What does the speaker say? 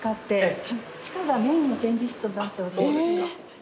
地下がメインの展示室となっております。